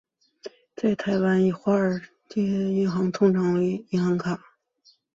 在台湾以外的其他华人地区通常称为银行卡。